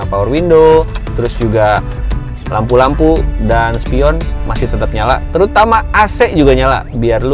power window terus juga lampu lampu dan spion masih tetap nyala terutama ac juga nyala biar lu